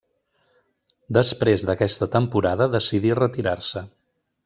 Després d'aquesta temporada decidí retirar-se.